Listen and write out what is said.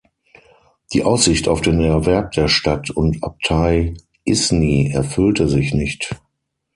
Die Aussicht auf den Erwerb der Stadt und Abtei Isny erfüllte sich nicht.